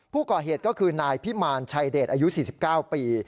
ผู้ก่อเหตุก็คือนายพิมารชัยเดชอายุ๔๙ปี